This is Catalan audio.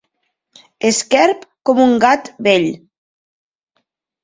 Esquerp com un gat vell.